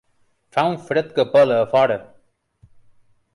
Fa un fred que pela a fora!